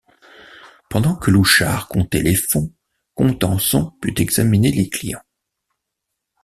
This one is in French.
Pendant que Louchard comptait les fonds, Contenson put examiner les clients.